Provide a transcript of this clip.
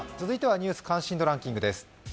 続いては「ニュース関心度ランキング」です。